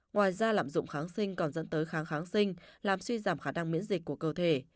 ngoài ra lạm dụng kháng sinh còn dẫn tới kháng kháng sinh làm suy giảm khả năng miễn dịch của cơ thể